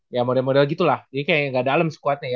ya model model gitu lah ini kayak gak dalam sekuatnya ya